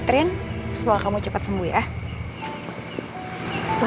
katherine semoga kamu cepet sembuh ya